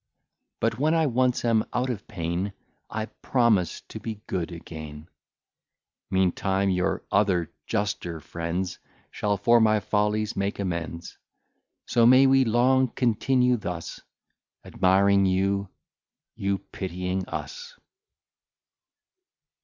But, when I once am out of pain, I promise to be good again; Meantime, your other juster friends Shall for my follies make amends; So may we long continue thus, Admiring you, you pitying us.